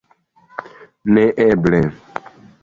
Neeble.